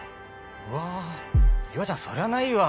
うわ岩ちゃんそれはないわ。